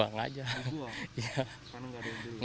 karena nggak ada yang buang